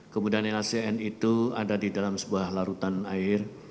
kemudian nacn itu ada di dalam sebuah larutan air